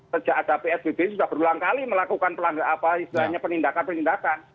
sbb sudah berulang kali melakukan pelanggaran apa istilahnya penindakan penindakan